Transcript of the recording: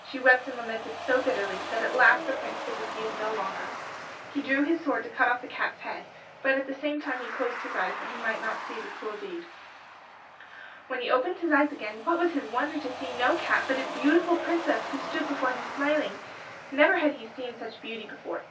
She wept and lamented so bitterly that at last the Prince could refuse no longer. He drew his sword to cut off the cat's head, but at the same time he closed his eyes that he might not see the cruel deed. When he opened his eyes again what was his wonder to see no cat, but a beautiful princess who stood before him smiling. Never had he seen such beauty before.